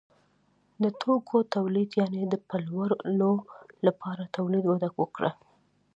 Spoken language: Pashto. د توکو تولید یعنې د پلورلو لپاره تولید وده وکړه.